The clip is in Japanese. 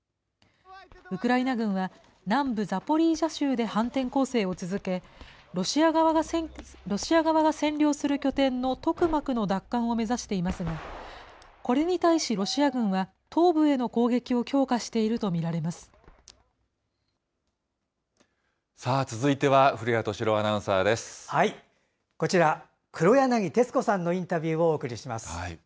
ウクライナ軍は、南部ザポリージャ州で反転攻勢を続け、ロシア側が占領する拠点のトクマクの奪還を目指していますが、これに対しロシア軍は、東部への攻撃を強化続いては、古谷敏郎アナウンこちら、黒柳徹子さんのインタビューをお送りします。